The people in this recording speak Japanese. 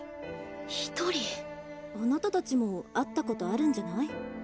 「あなたたちも会ったことあるんじゃない？」。